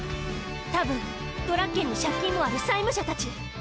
多分ドラッケンに借金のある債務者たち。